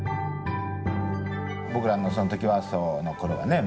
僕らのその時はそのころはね